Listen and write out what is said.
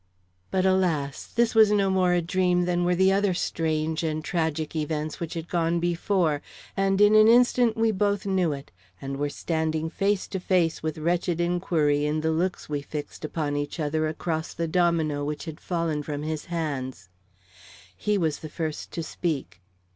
But alas! this was no more a dream than were the other strange and tragic events which had gone before; and in an instant we both knew it, and were standing face to face with wretched inquiry in the looks we fixed upon each other across the domino which had fallen from his hands. He was the first to speak.